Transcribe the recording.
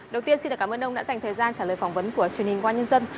đầu tiên xin cảm ơn ông đã dành thời gian trả lời phỏng vấn của truyền hình công an nhân dân